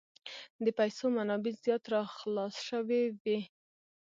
د پیسو منابع زیات را خلاص شوي وې.